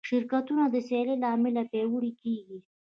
شرکتونه د سیالۍ له امله پیاوړي کېږي.